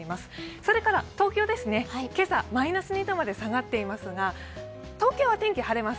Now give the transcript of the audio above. それから東京ですね、今朝マイナス２度まで下がっていますが、東京は天気晴れます。